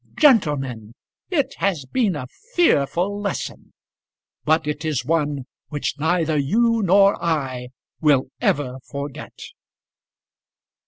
Gentlemen, it has been a fearful lesson; but it is one which neither you nor I will ever forget!